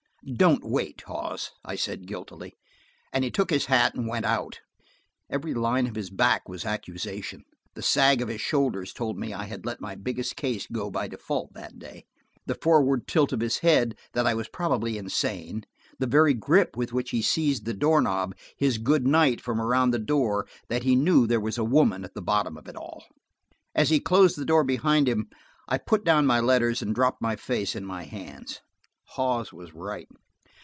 "Don't wait, Hawes," I said guiltily, and he took his hat and went out. Every line of his back was accusation. The sag of his shoulders told me I had let my biggest case go by default that day; the forward tilt of his head, that I was probably insane; the very grip with which he seized the door knob, his "good night" from around the door, that he knew there was a woman at the bottom of it all. As he closed the door behind him I put down my letters and dropped my face in my hands. Hawes was right.